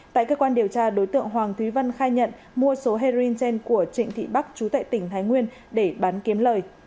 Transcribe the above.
tại cơ quan điều tra đối tượng hoàng thúy vân khai nhận mua số heroin trên của trịnh thị bắc chú tệ tỉnh thái nguyên để bán kiếm lời